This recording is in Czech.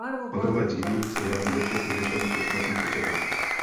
Palivové dříví se vyrábí ze všech jehličnatých a listnatých dřevin.